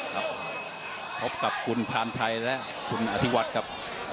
ครับพบกับคุณพานชัยและคุณอธิวัฒน์ครับ